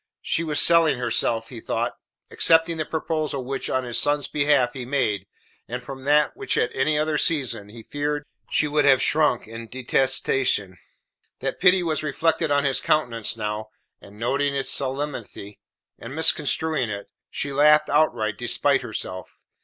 She was selling herself, he thought; accepting the proposal which, on his son's behalf, he made, and from which at any other season, he feared, she would have shrunk in detestation. That pity was reflected on his countenance now, and noting its solemnity, and misconstruing it, she laughed outright, despite herself.